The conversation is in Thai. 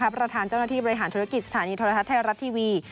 ประธานเจ้าหน้าที่บริหารธุรกิจสถานีโทรทัศน์ไทยรัฐทีวี